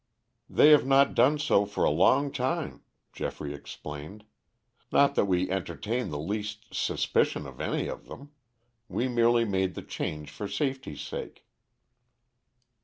"They have not done so for a long time," Geoffrey explained. "Not that we entertain the least suspicion of any of them. We merely made the change for safety's sake."